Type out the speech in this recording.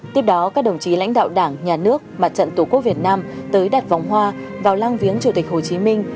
tiếp đó các đồng chí lãnh đạo đảng nhà nước mặt trận tổ quốc việt nam tới đặt vòng hoa vào lăng viếng chủ tịch hồ chí minh